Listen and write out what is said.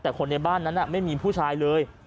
แต่คนในบ้านนั้นไม่มีผู้ชายเลย